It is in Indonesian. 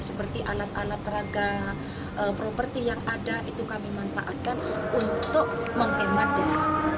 seperti alat alat peraga properti yang ada itu kami manfaatkan untuk menghemat desa